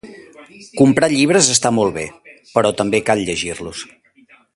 Comprar llibres está molt bé, peró també cal llegir-los.